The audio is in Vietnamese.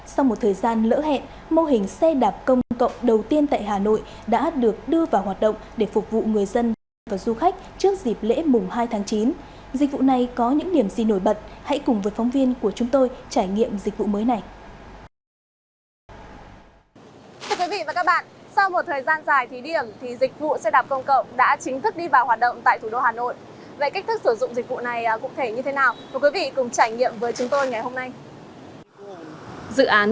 sau một thời gian lỡ hẹn mô hình sẽ được tham gia vào các ngân hàng trung ương indonesia malaysia philippines singapore và thái lan